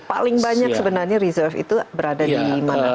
paling banyak sebenarnya reserve itu berada di mana